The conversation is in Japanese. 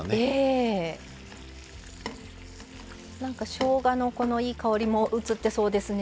しょうがのこのいい香りもうつってそうですね。